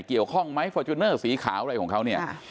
เกี่ยวข้องไหมฟอร์จูเนอร์สีขาวอะไรของเขาเนี่ย